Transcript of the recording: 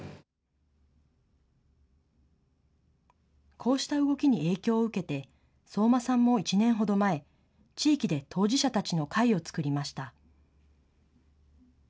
こうした動きに影響を受けて相馬さんも１年ほど前、地域で当事者たちの会を作りました。